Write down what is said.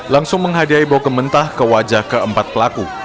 langsung menghadiahi bau kementah ke wajah keempat pelaku